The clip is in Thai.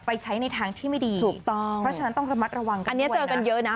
ใช้ในทางที่ไม่ดีถูกต้องเพราะฉะนั้นต้องระมัดระวังกันอันนี้เจอกันเยอะนะ